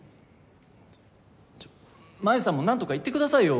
真夢さんもなんとか言ってくださいよ